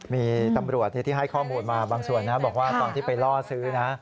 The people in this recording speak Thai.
มีตำรวจที่ให้ข้อมูลมาบางส่วนนะบอกว่าตอนที่ไปล่อซื้อนะ